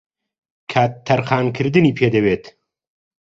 کات تەرخانکردنی پێدەوێت